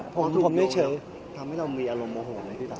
ท้อถูกโยงทำให้เรามีอารมณ์โมหม